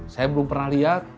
saya belum pernah lihat